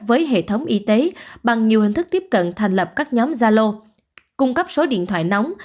với hệ thống y tế bằng nhiều hình thức tiếp cận thành lập các nhóm gia lô cung cấp số điện thoại nóng